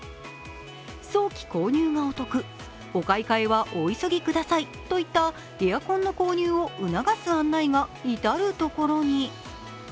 早期購入がお得、お買い換えはお急ぎくださいといった゛エアコンの購入を促す案内が至る所に。